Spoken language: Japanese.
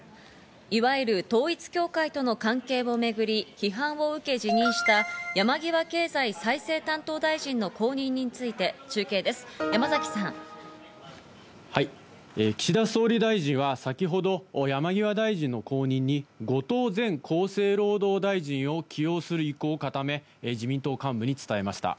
いわゆる統一教会との関係をめぐり批判を受け辞任した、山際経済再生担当大臣の後任について中継です、山崎さん。岸田総理大臣は先ほどを山際大臣の後任に後藤前厚生労働大臣を起用する意向を固め、自民党幹部に伝えました。